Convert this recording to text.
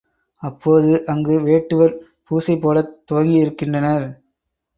அப்போது அங்கு வேட்டுவர், பூசை போடத் துவங்கியிருக்கின்றனர்.